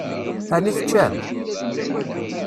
Ɛni teččam?